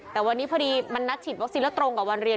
แต่วันนี้พอดีมันนัดฉีดวัคซีนแล้วตรงกับวันเรียน